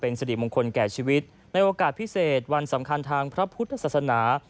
ในโอกาสพิเศษวันสำคัญทางพระพุทธศาสนา